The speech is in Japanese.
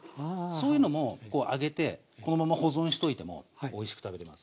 そういうのも揚げてこのまま保存しといてもおいしく食べれます。